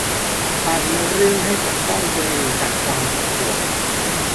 อาจมีเรื่องให้ต้องปกป้องตัวเองจากความเจ็บปวด